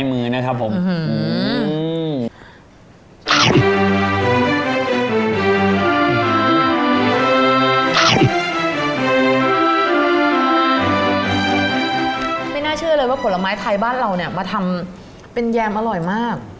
ไม่น่าเชื่อเลยว่าผลไม้ไทยบ้านเราเนี่ยมาทำเป็นแยมอร่อยมาก